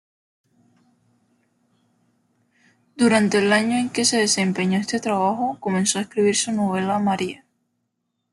Durante el año en que desempeñó este trabajo, comenzó a escribir su novela "María".